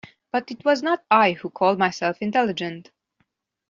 But it was not I who called myself intelligent.